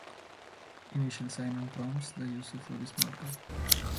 Initial sign-on prompts the user for the smart card.